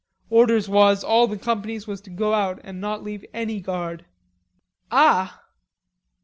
"Orders was all the companies was to go out an' not leave any guard." "Ah!'